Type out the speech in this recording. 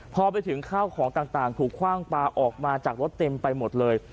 พอไปถึงข้าวของต่างถูกคว่างปลาออกมาจากรถเต็มไปหมดเลย